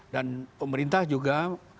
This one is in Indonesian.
dan pemerintah juga